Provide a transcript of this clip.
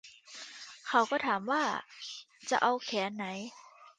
เขาก็ถามว่าจะเอาแขนไหน